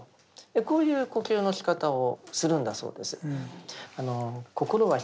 こういう呼吸のしかたをするんだそうです。